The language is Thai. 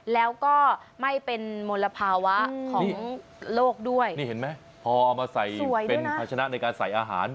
แล้วก็ไม่เป็นมลภาวะของโลกด้วยนี่เห็นไหมพอเอามาใส่เป็นภาชนะในการใส่อาหาร